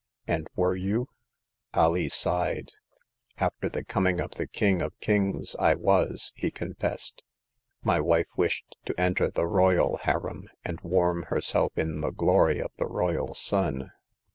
*'And were you ?" Alee sighed. After the coming of the King of Kings I was," he confessed. My wife wished to enter the royal harem, and warm herself in the glory of the royal sun.